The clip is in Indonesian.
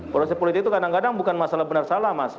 proses politik itu kadang kadang bukan masalah benar salah mas